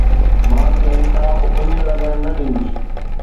مان کين ڪا به اڃ نه لڳڻ ڏيندس